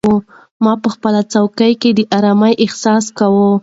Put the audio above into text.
ما په خپله څوکۍ کې د ارامۍ احساس کاوه.